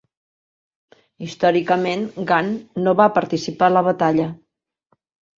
Històricament, Gan no va participar en la batalla.